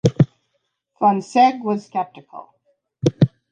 Fonsègue was skeptical.